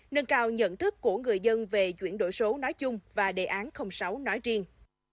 nâng cao nhận thức của người dân về chuyển đổi số nói chung và đề án sáu nói riêng